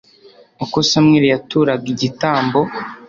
uko samweli yaturaga igitambo